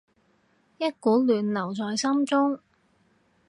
一股暖流在心中